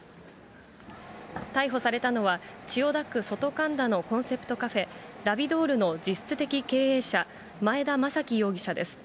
逮捕されたのは、千代田区外神田のコンセプトカフェ、ラビドールの実質的経営者、前田まさき容疑者です。